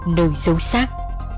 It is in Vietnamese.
nơi xấu xác